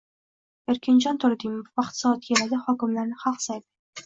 Erkinjon Turdimov: “Vaqt-soati keladi, hokimlarni xalq saylaydi”